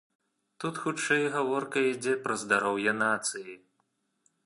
Тут хутчэй гаворка ідзе пра здароўе нацыі.